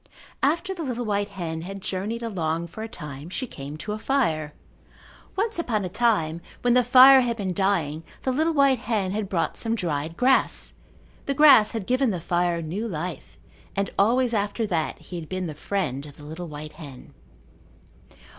After the little white hen had journeyed along for a time she came to a fire. Once upon a time, when the fire had been dying the little white hen had brought some dried grass. The grass had given the fire new life and always after that he had been the friend of the little white hen.